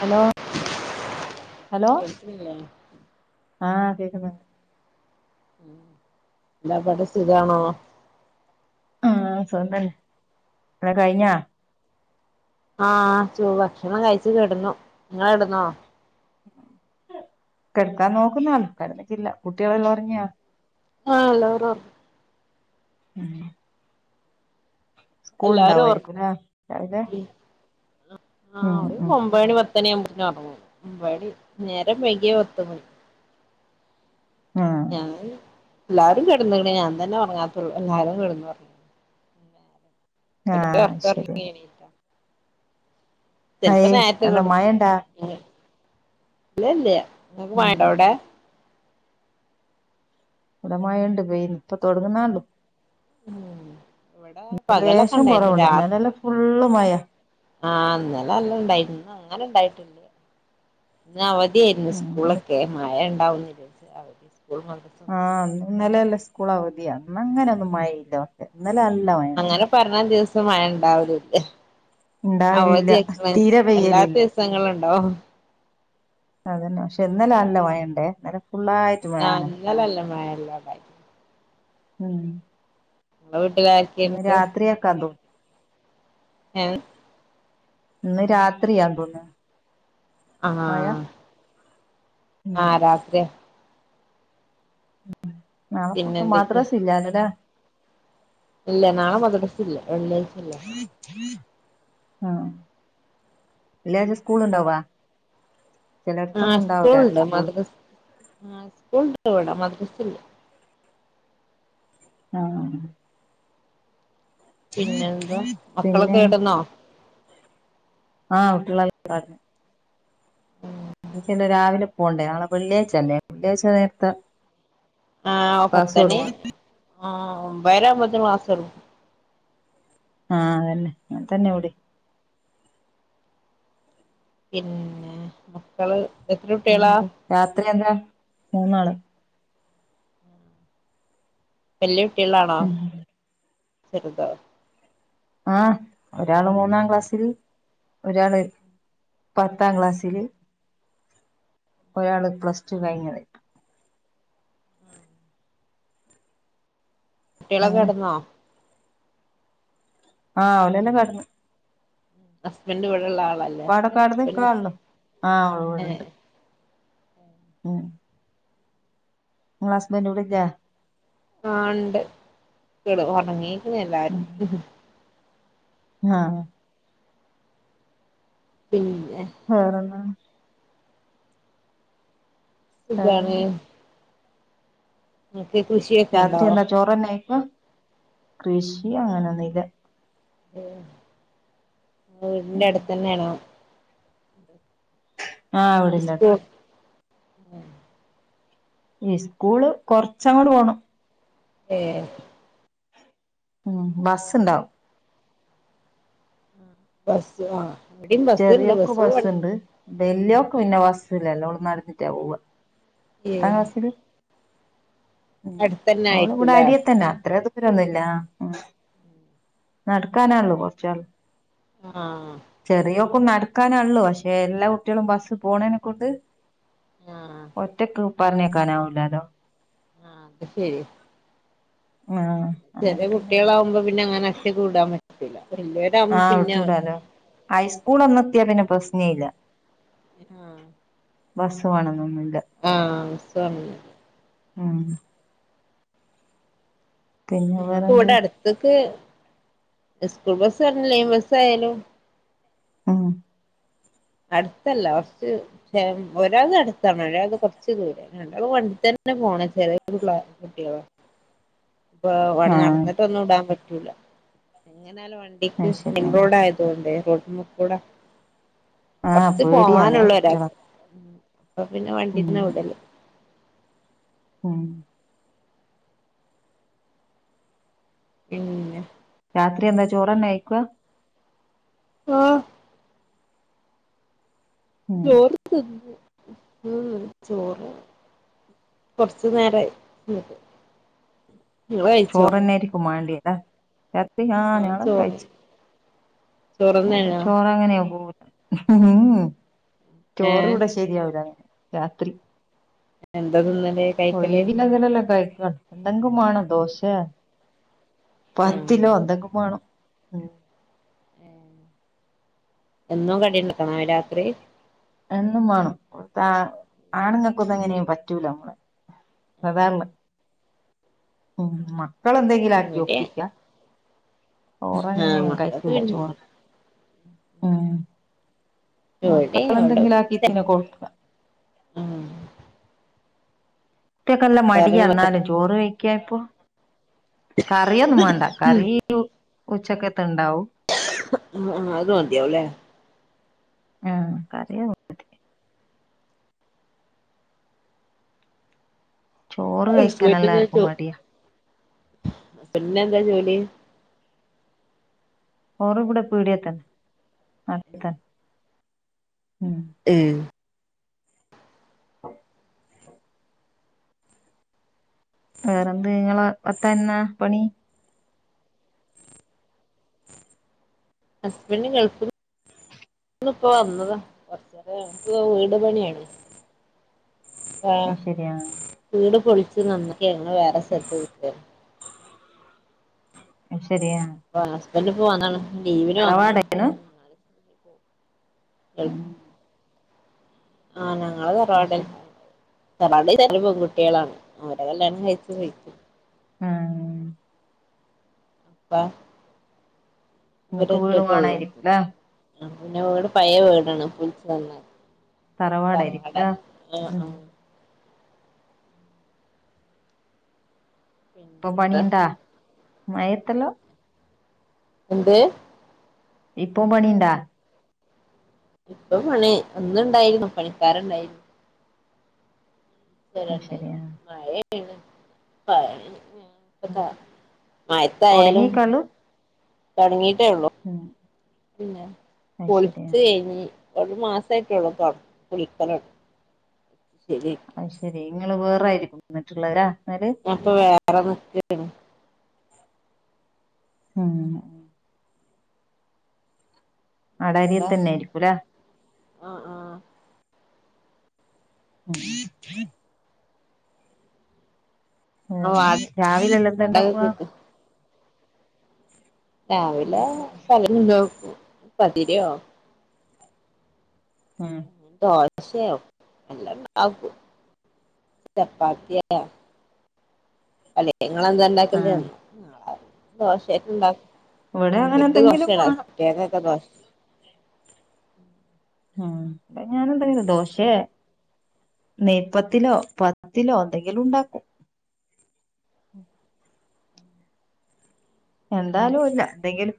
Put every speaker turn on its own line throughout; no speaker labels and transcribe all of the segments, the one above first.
Hello hello
കേൾക്ക്ണില്ലേ
ആഹ് കേക്കുന്നുണ്ട്.
എന്താ പാട് സുഖാണോ
ആഹ് സുഖം തന്നെ കഴിഞ്ഞാ?
ആഹ് ചൂ ഭക്ഷണം കഴിച്ചി കിടന്നു നിങ്ങളടന്നോ?
കിടക്കാൻ നോക്കുന്ന കടന്നിട്ടില്ല കുട്ടികളെല്ലാം ഉറങ്ങിയാ?
ആഹ് [unintelligible]
ഉം സ്കൂൾ
എല്ലാരും ഒറങ്ങി
ഉണ്ടാവായിരിക്കുംല്ല രാവിലെ ഉം.
പത്തു മണി ആവുമ്പോത്തിന് ഉറങ്ങും നേരം വൈകിയ പത്ത് മണി
ആഹ്
ഞാൻ എല്ലാരും കിടന്ന ഞാൻ തന്നെ ഒറങ്ങാതുള്ളു എല്ലാരും കിടന്ന നല്ല
ആഹ്
ഒർക്ക്
ശരി
ഉറങ്ങേനി ചെലപ്പോ
അയ്
നേരത്തെ
എന്താ
കെടുക്കും
മഴണ്ടാ
ഇല്ലല്ല ഇങ്ങക്ക്
ഉം
മഴണ്ടവിടെ?
ഇവടെ മയ ഉണ്ട് പയി ഇപ്പ തൊടങ്ങുന്നേള്ളൂ
ഉം ഇവിടെ പകലൊക്കെ
ലേഷം
ഇണ്ടായിരുന്നു
കൊറവുണ്ട്
രാ
ഇന്നാലല്ല ഫുള്ള് മഴ.
ആഹ് ഇന്നലെ നല്ല ഉണ്ടായിന്ന് ഇന്ന് അങ്ങനെ ഉണ്ടായിട്ടില്ല. ഇന് അവധിയായിരുന്നു
ഉം ഇന്ന്
സ്കൂളൊക്കെ മയ ഉണ്ടാവുന്ന അവധി സ്കൂളും മദ്രസും
ആഹ് ഇന്നലെല്ല സ്കൂളാ അവതി ഇന്ന് അങ്ങനെ ഒന്നും മഴ ഇല്ലട്ടെ ഇന്നലെ നല്ല മഴ
അങ്ങനെ പറഞ്ഞ ദിവസം മഴ ഉണ്ടാവലുല്ല.
ഇണ്ടാവലില്ല
അവധി
തീരെ
[unintelligible] അല്ലാത്ത
പെയ്യലില്ല
ദിവസങ്ങളുണ്ടാവും
അതന്നെ പക്ഷെ ഇന്നലെ നല്ല മയണ്ടേ ഇന്നലെ ഫുള്ളയി
ആഹ് ഇന്നലെ നല്ല മഴ ഇല്ല ഇവിടെ
ഉം
ഇങ്ങളെ വീട്ടില
ഇന്ന് രാത്രിയക്കെതോ
ഏഹ്
ഇന്ന് രാത്രിയാ തോന്നു
ആഹ്
ഉം
ആഹ് രാത്രി
ഉം നാളെപ്പം
പിന്നെ
ഇപ്പം
എന്തൊക്കെ
മാദ്രസ് ഇല്ലല്ലേലെ
ഇല്ല നാളമാദ്റസ് ഇല്ല വെള്ളിയാഴ് അല്ലേ
ആഹ് വെള്ളിയാഴ്ച സ്കൂള് ഇണ്ടാവേ?
ആഹ് സ്കൂൾ ഇണ്ട്
സ്കൂള്
മദ്രസ് ആ സ്കൂൾ ഇണ്ട് ഇവിടെ മദ്രസ് ഇല്ല
ആഹ്
പിന്നെ എന്താ മക്കളൊക്കെ
പിന്നെ
കേടന്നോ?
ആഹ് കുട്ടി [unintelligible] കടന്ന് എനിക്ക് രാവിലെ പോണ്ടേ നളെ വെള്ളിയാഴ്ചല്ലേ വെള്ളിയഴ്ച നേരത്തെ
ആഹ്
ക്ലാസ്
പത്തണി
തുടങ്ങും
ആഹ് ഒമ്പര ആവൊമ്പോതിന് ക്ലാസ്സ് തുടങ്ങും
ആഹ് അതന്നെ അങ്ങനെതന്നെ ഇവടീം
പിന്നെ മക്കള് എത്ര കുട്ടികളാ?
പിന്നെന്താ രാത്രി എന്താ മൂന്നാള്.
വല്യ കുട്ടികളാണോ
ഉം
ചെറുതോ?
ആഹ് ഒരാള് മൂന്നാം ക്ലാസ്സിൽ ഒരാള് പത്താം ക്ലാസ്സില് ഒരാള് പ്ലസ് ടു കഴിഞ്ഞത്
കുട്ടികളൊക്കെ
അങ്ങനെ
കടന്നോ
ആഹ് ഓല്എല്ലാം കടന്ന്
ഹസ്ബൻഡ് ഇവടെള്ള ആളല്ലേ
ഇവടക്കട
ഹസ്ബൻഡ്
നിക്കാണല്ലോ ആഹ്
ഏ
ഇവടുണ്ട് ഉം ഇങ്ങളെ ഹസ്ബന്റ് ഇവടെ ഇല്ലേ
ആഹ് ഇണ്ട് കേട ഒറങ്ങീക്ക്ണ് എല്ലാരും
ഉം ആഹ്
പിന്നെ
വേറെന്നാ
സുഖാണ്
വേറെന്ത്
ഇങ്ങക്ക് കൃഷി
രാത്രി എന്താ ചോറ് തന്നെ കയിക്ക കൃഷി അങ്ങനൊന്നും ഇല്ല
ഉം
ഉം
വീടിന്റടുത്തന്നേണോ
ആഹ്
സ്കൂ
വീടിന്റട്ത് ഇസ്കൂള് കൊർച്ചങ്ങോട്ട് പോണം
ഏഹ്
ഉം ബസ്സ്ണ്ടാവും
ബസ് ആഹ് വടിം ബസ്സ്ണ്ട് ബസ്സ് വ
വെല്യോക്ക് പിന്നെ ബസ്സ്‌ല്ലല്ലോ, ഓള് നടന്നിട്ടാ പോവ,
ഏ
ത്താം ക്ലാസ്സില് ഉ
അടുത്തന്നെ
ഓള് വിടെ
ആയിരിക്കുംല്ലേ
അരിയെത്തന്നാ, അത്ര ദു രൊന്നുല്ല, ഉം നട്ക്കാനാള്ളൂ കൊർച്ചാള്ളു
ആഹ്
ചെറിയൊക്കും നടക്കാന ള്ളൂ പക്ഷെ എല്ലാ കുട്ടികളും ബസ്സ് പോണേനെക്കൊണ്ട്
ആ
ഒറ്റക്ക് പർഞ്ഞേക്കാനാവുല്ലാലൊ
ആഹ് അത് ശര്യ
ആഹ്
ചെറിയ
അന്നേരം പിന്നെ
കുട്ടികളാവുമ്പോ പിന്നെ അങ്ങനറ്റക്ക് വിടാൻ പറ്റത്തില്ല. വല്യ
ആഹ് വിട്ടൂടാലോ, ഐസ്കൂൾ ഒന്നെത്തിയാ പിന്നെ പ്രശ്ന ഇല്ല
ആഹ്
ബസ്സ് വേണന്നൊന്നുല്ല
ആഹ് ബസ്സ്‌ വേണന്ന്ല്ല
ആഹ് പിന്നെ
ഞങ്ങക്ക്
വേറെന്ത്
വടെ അട്ത്ത്ക്ക് ഇസ്കൂൾ ബസ്സായാലും ലൈൻബസ്സായാലും
ആഹ്
അടുത്തല്ല കൊർച് ശേ ഒരാൾതടുത്താണ് ഒരാൾത് കൊർച്ച് ദൂരം രണ്ടാളും വണ്ടി തന്നെ പോണം, ചെറിയ [unintelligible] കുട്ടികള ഇപ്പ ഓനെ
ആഹ്
നടന്നിട്ടൊന്നും ടാൻ പറ്റൂല. എങ്ങനാലും വണ്ടിക്ക്
അത് ശരിയാ
മെൻറോഡായത് തു കൊണ്ടേ. റോട്ട്മ്മക്കൂടെ
ആഹ്
കൊർച്ച്
പേടിയാന്നേ
പോവാനുള്ളു
കുട്ടികളെ
ഒരാക്ക് ഉം പ്പൊ പിന്നെ
ഉം
വണ്ടിന്നെ വിടല്
ഉം
പിന്നെ
രാത്രി എന്താ ചോറന്നെ കയ്ക്കുവ
ആഹ്
ഉം
ചോറ് ത് ന്ന് ഉം ഉം ചോറ് കൊർച്ച് നേരായി ത് ന്ന്ട്ട്
ചോറെന്നെയിരിക്കും മാണ്ടിയെ ലേ രാത്രി ആഹ് ഞങ്ങളൊക്കെ കഴിച്ച് വിടെ
ചോറ്ന്നേണോ
ചോറ് അങ്ങനെയ പോ ഉം ഉം ചോറ്
ഏഹ്
വിടെ ശ് ശരിയാവുലാ രാത്രി
എന്ത ത് ന്നല്
ഒഴിവില്ലങ്കിലല്ലെ കഴിക്ക എന്തെങ്കും മാണം ദോശേ
ആഹ്
പത്തിലോ എന്തങ്കും മാണം
ഏഹ് എന്നും കടിണ്ടാക്കണേ രാത്രി
എന്നും മാണം, ഇവുട്ത്ത ആണുങ്ങക്കൊന്നും അങ്ങനെ പറ്റൂലമ്മളെ
ആഹ്
അതാർഞ് ഉം മ ക്കളെന്തെങ്കിലും ആക്കി
ഇവിടെ
ഒപ്പിക്ക
ആഹ്
ഓറങ്ങനേം
മക്കക്ക്
കഴിക്കൂല
പിന്നെ
ചോറ് ഉം
ഇവിടെ
മക്കളെ
അവിടെ
ന്തെങ്കിലും ആക്കിത്തിനെ കൊടുക്ക
ആഹ്
കുട്ടിയക്കെല്ലാം
കറി
മടിയ ന്നാലും ചോറ് കഴിക്കാൻ ഇപ്പോ, കറിയൊന്നും മാണ്ട കറി യും ഉച്ചക്കത്തെണ്ടാവും
ഉം ഉം അത് മതിയാവുല്ലേ
ആഹ് കറിയത് ചോറ് കയിക്കാൻ എല്ലാർക്കും മടിയാ
ബൻഡിന് എന്താ ജോലി
ഓറ് ഇവിടെ പീടിയെതെന്നെ അടുത്താ ഉം
ഏഹ്
വേറെന്ത് ഇങ്ങളെ ഭർത്താവിനെന്താ പണി?
ഹസ്ബന്റ് ഗൾഫ് ള് ഇപ്പ വന്നതാ [unintelligible] വീട് പണിയാണ് ആഹ്
അത് ശരിയാ
വീട് പൊളിച്ച് [unintelligible] ഞങ്ങള് വേറെ സ്ഥലത്ത് നിക്കാ
അത് ശരി ആഹ്
ഇപ്പ ഹസ്ബന്റ് ഇപ്പ വന്നണ് ലീവിന് വന്നണ്
തറവാടേനു
ഗൾ
ഉം
ആഹ് ഞങ്ങളെ
അത്
തറവാടെൻ
ശരി
തറവാട് [unintelligible] പെൺകുട്ട്യേളാണ് ഉം [unintelligible] കല്യാണം കയിച്ച് പോയിക്ക്
ആഹ്
[unintelligible] ഇവര്
നിങ്ങക്ക് വീട്
ഒറ്റക്കെ ഉള്ളൂ
വേണായിരിക്കൂലേ
പിന്നെ വീട് പയേ വീടാണ് പൊളിച്ച് നന്നാക്കി
തറവാടായിരിക്കൂലേ
തർവാടല്ലേ ആഹ്
ഉം
ആഹ്
ഇപ്പം
പിന്നെന്താ
പണീണ്ടാ മയത്തെല്ലം
എന്ത്
ഇപ്പോം പണിയിണ്ടാ?
ഇപ്പം പണി ഇന്ന് ഇണ്ടായിരുന്നു പണിക്കാരുണ്ടായിരുന്നു
അത്
ണ്ടായി
ശരിയാ
മഴയേണ് പണി ഉം മയെത്തായാലും
തൊടങ്ങീക്കാള്ളൂ
തൊടങ്ങിട്ടേ ഉള്ളു
ഉം
പിന്നെ
അത് ശരിയാ
പൊളിച്ച് കഴിഞ്ഞ് ഒരു മാസമായിട്ടുള്ളൂ ഇപ്പം പൊളിക്കല് തൊട [unintelligible]
അയി ശരി ഇങ്ങള് വേറായിരിക്കും ഇന്ന്ട്ട്ള്ളെലേ
ഞാൻപ്പ വേറെ നിക്കാണ്
അങ്ങനെ ആടെ അരിയത്തെന്നെ ആയിരിക്കുല്ലേ
ആഹ് ആഹ്
ഉം
ഞങ്ങൾ
വേറെന്താ രാവിലെല്ലാം എന്താ
വാടകക്ക്
ഇണ്ടാക്കുവാ?
നിക്കാ
ഉം
രാവിലെ [unintelligible] ഇണ്ടാക്കും പത്തിരിയോ
ഉം ആഹ്
ദോശയോ എല്ലണ്ടാക്കും ചപ്പാത്തിയോ അല്ലെ ഇങ്ങളെന്താ ഇണ്ടാക്കല്
ആഹ്
നാളെ ദോശയാറ്റം ഇണ്ടാക്
ഇവിടെ അങ്ങനെ
ഇവര്ക്ക്
എന്തെങ്കിലും വേണം
ദോശണ്ടാക്കും തേങ്ങ അരച്ച ദോശ
ഏഹ് [unintelligible] ഞാനെന്തെങ്കിലും ദോശെ നെയ്പ്പത്തിലോ പത്തിലോ എന്തെങ്കിലും ഉണ്ടാക്കും. എന്താലുല്ലാ എന്തെങ്കിലും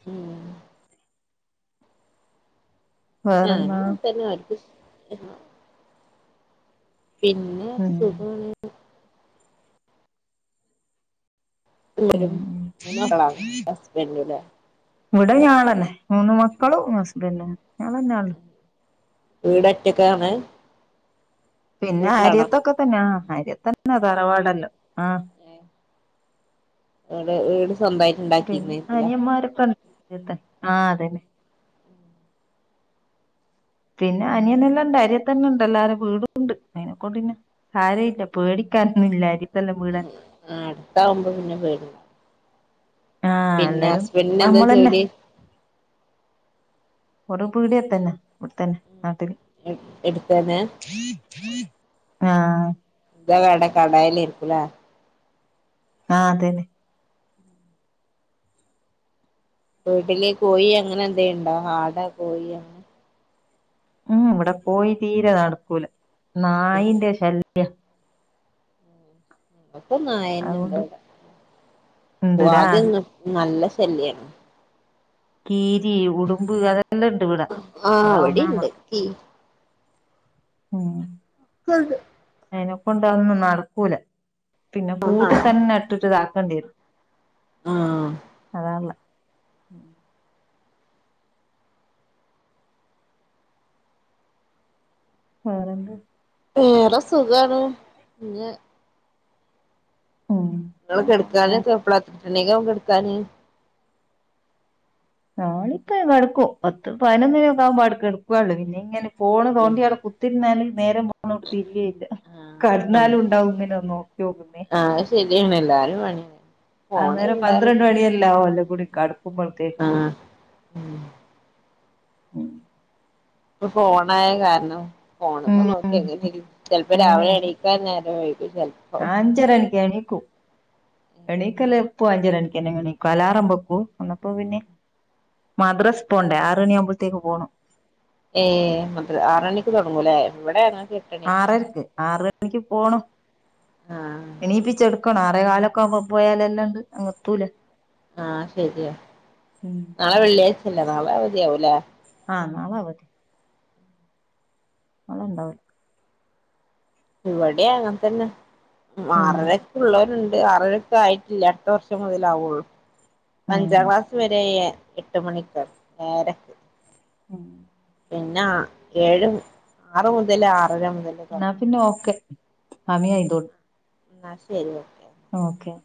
ഉം
വേറെന്നാ
ഞാനുങ്ങൻത്തന്നെ ആര്കുഷ് [unintelligible] പിന്നെ
ഉം
സുഖാണ് രും
ഉം
മൂന്നകളാണ് ഹസ്ബൻഡും.
ഇവിടെ ഞാങ്‌ളെന്നെ മൂന്ന് മക്കളും ഹസ്ബൻഡും ഞങ്‌ളെന്നെള്ളു
വീടൊറ്റക്കാണ്.
പിന്നെ അരിയത്തൊക്കെ തന്നെ ആഹ് അരിയത്ത് ന്നെ തറവാടല്ലോ ആഹ്
ഏഹ് ഇടെ വീട് സ്വന്തായി
പിന്നെ അനിയന്മാര് [unintelligible] പിന്നെ അനിയനെല്ലാം ഉണ്ട് അരിയ തന്നെ ഉണ്ട്. എല്ലാരെ വീടുംണ്ട് അയ്നെക്കൊണ്ട്ന്നെ. സാരയില്ല പേടിക്കാനൊന്നും ഇല്ല അരിത്തെല്ലാം വീട
ആഹ് അടുത്താഉമ്പോ പിന്നെ പേടി
ആ
പിന്നെ
എല്ലാരും
ഹസ്ബന്റ്ന് എന്താ
നമ്മളന്നെ
ജോലി.
വടെ പീടിയത്തന്നെ, ഇവിടെത്തന്നെ നാട്ടില്.
എട് എടുത്തന്നേ.
ആഹ്
തവടെ കടേല് ഇരിക്കുലേ
ആഹ് അതെന്നേ
വീട്ടില് കോഴി അങ്ങനെ എന്തേണ്ടോ ആടാ കോഴിയൊ
ഉം, ഇവിടെ കോയി തീരെ നടക്കൂല നായിന്റെ ശല്യ
മൊത്തം നായന്നെണ്ട്
അതുകൊണ്ട് ഉണ്ട്ലാ
വടെ [unintelligible] നല്ല ശല്യർന്നു.
കീരി, ഉടുമ്പ് അത
ആഹ് വിടെണ്ട് കീ
ഉം
[unintelligible]
അയ്നെക്കൊണ്ട് അതൊന്നും നടക്കൂല പിന്നെ കൂട്ട് തന്നെ ഇട്ടിട്ട് ഇതാക്കേണ്ട്യരു
ആഹ്
അതാള്ളെ [unintelligible]
വേറെ സുഖാണ് ഞ്
ഉം
ങ്ങള്
അങ്ങനെ
കെടുക്കാന്
പോണല്ലേ
കെപ്ല [unintelligible] കെടക്കാന്
നാളിപ്പ കെടുക്കും പത്ത് പയ്നൊന്നണിക്ക ആഉമ്പോ കെടക്കോടെ പിന്നെ ഇങ്ങനെ ഫോണ് തോണ്ടിയട കു ത്തിന്നാല് നേരെ പോന്നോട് തിരികേയില്ല
ആഹ് അങ്ങനെ
കെടന്നാലുണ്ടാഉം ങ്ങനെ നോക്ക്യോക്ക്ന്നെ
ആഹ് അത് ശരിയാണ് എല്ലാരും [unintelligible] ഫോണ്
അന്നേരം
കണ്ടാല്
പന്ത്രണ്ട്
പിന്നെ
മണിയല്ലാവും എല്ലാം കൂടി കടക്കുമ്പോൾതേക്ക്.
ആഹ് ഉം
ഉം
ഇപ്പൊ ഫോണായ കാരണം. ഫോണ് മെ
ഉം
നോക്കിങ്ങനെ [unintelligible] ചെലപ്പോ
അങ്ങനെ
രാവിലെ എണീക്കാൻ നേരംവൈകും ചെലപ്പോ.
[unintelligible] ണീക്കും എണീക്കല് പ്പോ അഞ്ചരണിക്കന്നെ ങ്ങട് എണീക്കും അലാറം വെക്കും അന്നപ്പൊ പിന്നെ മദ്രസ് പോണ്ടെ ആറുഅണിയാവുമ്പതേക്ക് പോണം.
ഏഹ്, മദ് ആറണിക്ക് തുടങ്ങൂലേ, ഇവിടെ ഞങ്ങക് എ
ആറരക്ക് ആറുമണിക്ക് പോണം
ആഹ്
എണീപ്പിച്ചെടുക്കണം ആറേകാലൊ കാവുമ്പോ പോയാലെല്ലാംണ്ട് അങ്ങത്തൂല
ആഹ്, ശരിയാ
ഉം
നാളെ വെള്ളിയാഴ്ചല്ലെ നാളെ അവധി ആവൂലേ
ആഹ് നാളെ അവധിയാ ഓള് ഇണ്ടാവും.
ഇവിടി അങ്ങൻത്തന്നെ.
ഉം
ആറരെക്കുള്ളോല്ണ്ട് ആറരൊക്കെ ആയി ഇല്ല്യ അടുത്ത വർഷം മുതലാവൊള്ളൂ. അഞ്ചാം
ഉം
ക്ലാസ് വരേയെ എട്ട് മണിക്ക് ഏഴരക്ക്
ഉം
പിന്നാ ഏഴും ആറ മു തെല്ലാം ആറര മുതല്
എന്നാ
തൊടങ്ങും
പിന്നെ
ക്ലാസ്
ഓക്കെ സമയായി തോന്നുന്നു
ഇന്നാ ശരി. Okay
okay